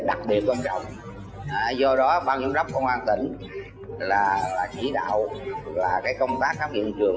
sau khi sơ bộ xác minh ban đầu và hiện trường